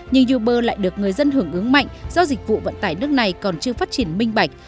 nhưng uber lại được người dân hưởng ứng mạnh do dịch vụ vận tải nước này còn chưa phát triển minh bạch